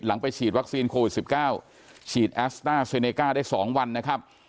ไปฉีดวัคซีนโควิด๑๙ฉีดแอสต้าเซเนก้าได้๒วันนะครับ